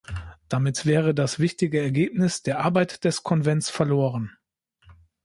Damit wäre das wichtige Ergebnis der Arbeit des Konvents verloren.